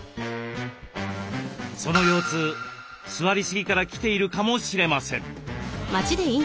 その腰痛座りすぎから来ているかもしれません。